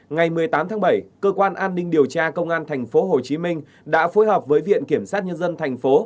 ngày một mươi tám tháng bảy cơ quan an ninh điều tra công an tp hcm đã phối hợp với viện kiểm soát nhân dân tp